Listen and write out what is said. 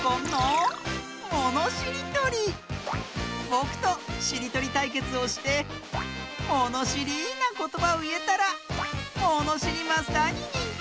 ぼくとしりとりたいけつをしてものしりなことばをいえたらものしりマスターににんてい！